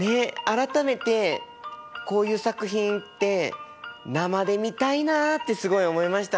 改めてこういう作品って生で見たいなってすごい思いましたね。